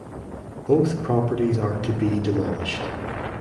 Both properties are to be demolished.